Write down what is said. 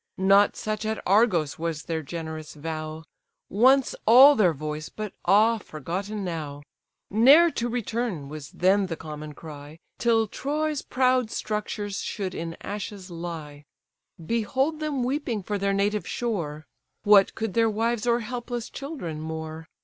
Not such at Argos was their generous vow: Once all their voice, but ah! forgotten now: Ne'er to return, was then the common cry, Till Troy's proud structures should in ashes lie. Behold them weeping for their native shore; What could their wives or helpless children more?